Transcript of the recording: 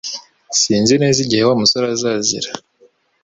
Sinzi neza igihe Wa musore azazira